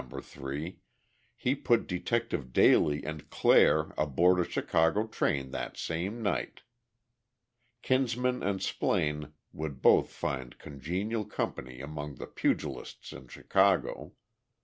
3, he put Detectives Daly and Clare aboard a Chicago train that same night. Kinsman and Splaine would both find congenial company among the pugilists in Chicago.